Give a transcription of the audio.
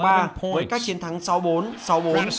với các chiến thắng sáu bốn sáu bốn bốn sáu và bảy năm